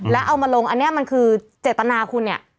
แล้วเอามาลงอันนี้มันคือเจตนาคุณเนี่ย